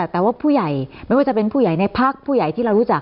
แต่ว่าผู้ใหญ่ไม่ว่าจะเป็นผู้ใหญ่ในพักผู้ใหญ่ที่เรารู้จัก